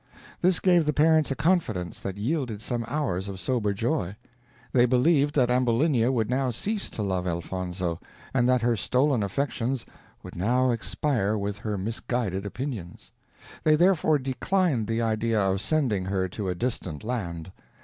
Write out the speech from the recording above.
This gave the parents a confidence that yielded some hours of sober joy; they believed that Ambulinia would now cease to love Elfonzo, and that her stolen affections would now expire with her misguided opinions. They therefore declined the idea of sending her to a distant land.